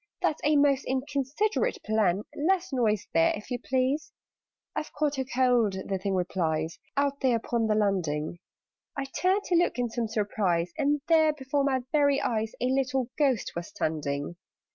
That's a most inconsiderate plan. Less noise there, if you please!" "I've caught a cold," the Thing replies, "Out there upon the landing." I turned to look in some surprise, And there, before my very eyes, A little Ghost was standing!